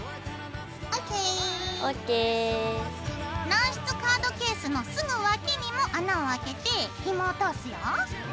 軟質カードケースのすぐ脇にも穴をあけてひもを通すよ。